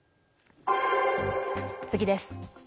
次です。